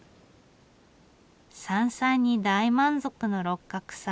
山菜に大満足の六角さん。